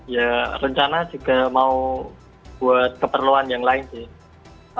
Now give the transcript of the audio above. ya rencana juga mau buat keperluan yang lain sih